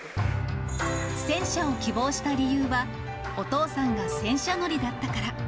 戦車を希望した理由は、お父さんが戦車乗りだったから。